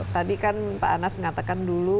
tadi kan pak anas mengatakan dulu